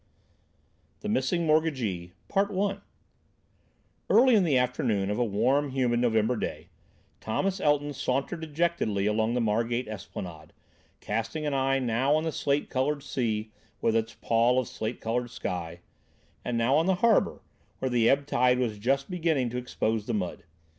THE MISSING MORTGAGEE PART I Early in the afternoon of a warm, humid November day, Thomas Elton sauntered dejectedly along the Margate esplanade, casting an eye now on the slate coloured sea with its pall of slate coloured sky, and now on the harbour, where the ebb tide was just beginning to expose the mud.